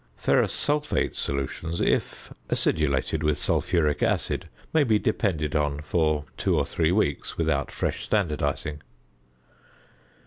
Ferrous sulphate solutions, if acidulated with sulphuric acid, may be depended on for two or three weeks without fresh standardising.